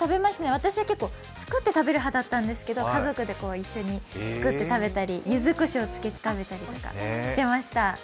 私は結構作って食べる派だったんですけど家族で一緒に作って食べたり、ゆずこしょうをつけて食べたりとかしてました。